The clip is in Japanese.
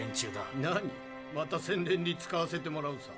なにまた宣伝に使わせてもらうさ。